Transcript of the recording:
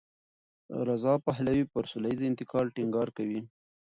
رضا پهلوي پر سولهییز انتقال ټینګار کوي.